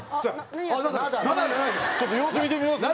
ちょっと様子見てみます？